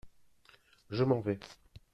Je m’en vais.